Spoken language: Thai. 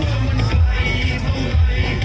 กลับไปรับไป